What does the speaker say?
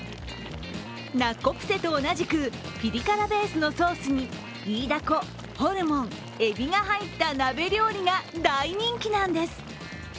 ナッコプセと同じくピリ辛ベースのソースにイイダコ、ホルモン、エビが入った鍋料理が大人気なんです。